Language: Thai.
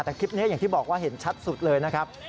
แต่คลิปนี้อย่างที่บอกว่าเห็นชัดสุดเลยนะครับ